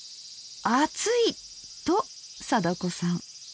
暑い！と貞子さん。